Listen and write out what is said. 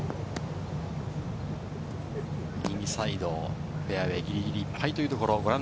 右サイド、フェアウエーぎりぎりいっぱいというところ。